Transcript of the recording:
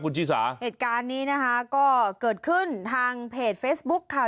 คุณชิสาเหตุการณ์นี้นะคะก็เกิดขึ้นทางเพจเฟซบุ๊คค่ะ